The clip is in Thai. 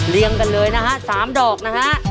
เรียงกันเลยนะฮะสามดอกนะฮะ